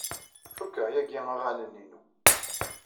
Fukeɣ yagi aɣanen-inu.